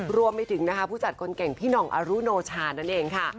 รวมไปถึงนะคะผู้จัดคนเก่งพี่หน่องอรุโนชานั่นเองค่ะ